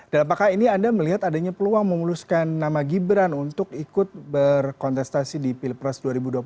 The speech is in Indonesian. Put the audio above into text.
dan apakah ini anda melihat adanya peluang memuluskan nama gibran untuk ikut berkontestasi di pilpres dua ribu dua puluh empat